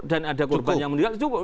dan ada korban yang meninggal cukup